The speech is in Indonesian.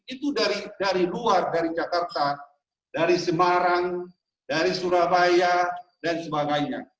itu dari luar dari jakarta dari semarang dari surabaya dan sebagainya